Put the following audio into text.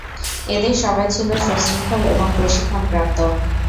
এঁদের সবাই ছিল সুশৃঙ্খল এবং প্রশিক্ষণপ্রাপ্ত।